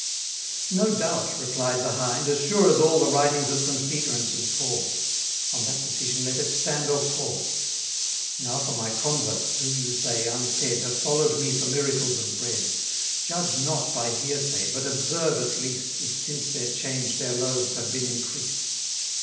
No doubt, replied the Hind, as sure as all The writings of Saint Peter and Saint Paul: On that decision let it stand or fall. 220 Now for my converts, who, you say, unfed, Have follow'd me for miracles of bread; Judge not by hearsay, but observe at least, If since their change their loaves have been increased.